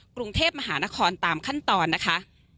กรุงเทพมหานครตามขั้นตอนนะคะ